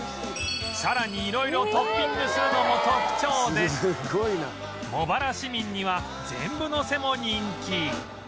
さらに色々トッピングするのも特徴で茂原市民には全部のせも人気